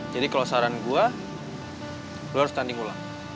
jadi kalau saran gue lo harus tanding ulang